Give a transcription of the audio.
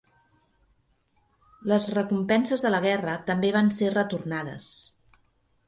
Les recompenses de la guerra també van ser retornades.